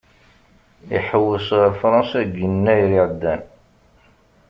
Ihewwes ar Fransa deg Yennayer iɛeddan.